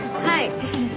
はい。